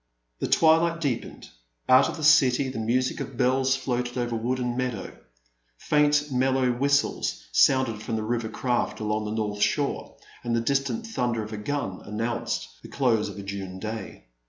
The twilight deepened ; out of the city the A Pleasant Evening. 32 1 music of bells floated over wood and meadow ; faint mellow whistles sounded from the river craft along the north shore, and the distant thunder of a gun announced the close of a June day.